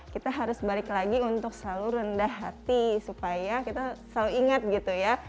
kita harus balik lagi untuk selalu rendah hati supaya kita selalu ingat gitu ya